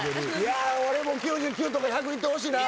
俺も９９とか１００いってほしいな。